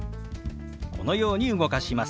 このように動かします。